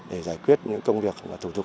để giải quyết những công việc thủ tục